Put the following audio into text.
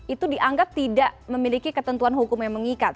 itu dianggap tidak memiliki ketentuan hukum yang mengikat